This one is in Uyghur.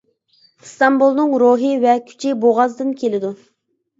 ئىستانبۇلنىڭ روھى ۋە كۈچى بوغازدىن كېلىدۇ.